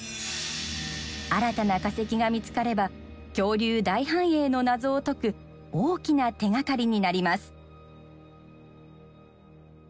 新たな化石が見つかれば恐竜大繁栄の謎を解く大きな手がかりになります。